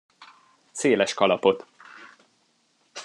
Széles kalapot.